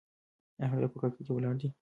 ایا هلک په کړکۍ کې ولاړ دی؟